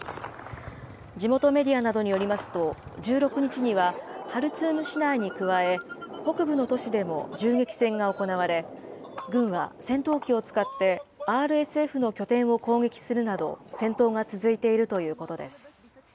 地元メディアなどによりますと、１６日には、ハルツーム市内に加え、北部の都市でも銃撃戦が行われ、軍は戦闘機を使ってＲＳＦの拠点を攻撃するなど、戦闘が続いているということです。